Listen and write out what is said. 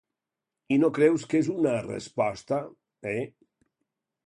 I no creus que és una resposta, eh?